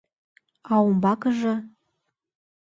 А умбакыже...